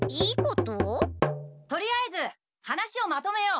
とりあえず話をまとめよう！